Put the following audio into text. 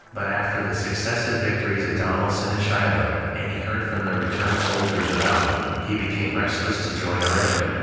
But after the successive victories at Donelson and Shiloh, and he heard from the returned soldiers about me, he became restless to join our regiment.